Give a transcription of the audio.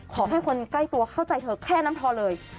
ขอให้คนใกล้ตัวเข้าใจเธอแค่นั้นพอเลย